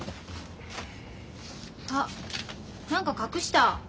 あっ何か隠した。